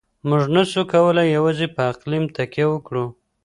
موږ نسو کولای يوازې په اقليم تکيه وکړو.